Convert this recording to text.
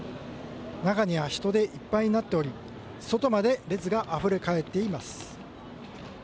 中には人でいっぱいになっており外まで列があふれ返っています。